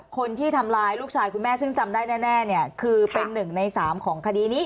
คนที่ทำร้ายลูกชายคุณแม่ซึ่งจำได้แน่เนี่ยคือเป็นหนึ่งในสามของคดีนี้